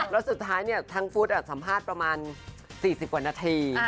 แล้วสุดท้ายทางฟุตสัมภาษณ์ประมาณ๔๐กว่านาที